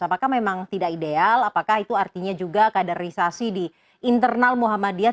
apakah memang tidak ideal apakah itu artinya juga kaderisasi di internal muhammadiyah